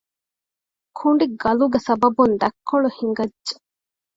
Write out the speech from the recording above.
ކުނޑިގަލުގެ ސަބަބުން ދަތްކޮޅު ހިނގައްޖެ